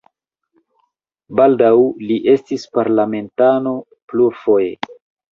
Baldaŭ li estis parlamentano plurfoje.